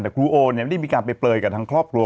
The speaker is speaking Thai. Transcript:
แต่ครูโอเนี่ยไม่ได้มีการไปเปลยกับทางครอบครัว